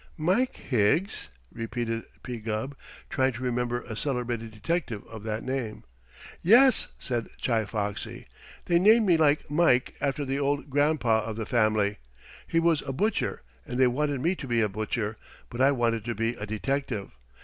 "Mike Higgs?" repeated P. Gubb, trying to remember a celebrated detective of that name. "Yes," said Chi Foxy, "they named me Mike after the old gran'pa of the family. He was a butcher, and they wanted me to be a butcher, but I wanted to be a detective.